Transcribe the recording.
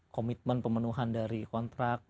komitmen pemenuhan dari kontrak